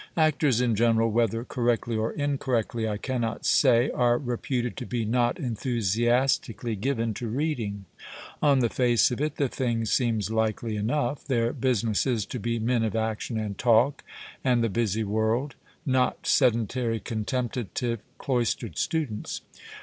Actors in general, whether correctly or incorrectly I cannot say, are reputed to be not enthusiastically given to reading. On the face of it, the thing seems likely enough. Their busi ness is to be men of action and talk and the busy world — not sedentary contemplative, cloistered stu dents.